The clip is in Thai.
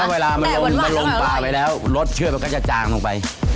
เวลามันลงปลาไปแล้วรสเชือดมันก็จะจางลงไป